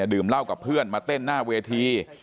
ดื่มเหล้ากับเพื่อนมาเต้นหน้าเวที